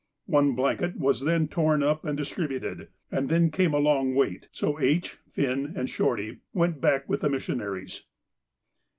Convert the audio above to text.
One blanket was then torn up and distributed, and then came a long wait, so H., Finn, and Shorty went back with the missionaries.